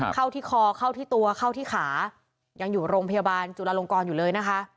เข้าที่คอเข้าที่ตัวเข้าที่ขายังอยู่โรงพยาบาลจุลาลงกรอยู่เลยนะคะ